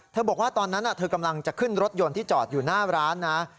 บอกว่าตอนนั้นเธอกำลังจะขึ้นรถยนต์ที่จอดอยู่หน้าร้านนะ